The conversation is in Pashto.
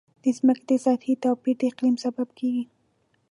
د ځمکې د سطحې توپیر د اقلیم سبب کېږي.